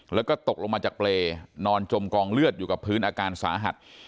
แล้วก็ตกลงมาจากเปรย์นอนจมกองเลือดอยู่กับพื้นอาการสาหัส